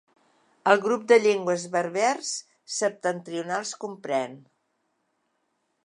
El grup de llengües berbers septentrionals comprèn.